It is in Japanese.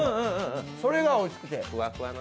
それがおいしくて。